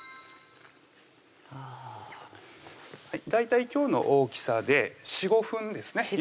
あ大体今日の大きさで４５分ですね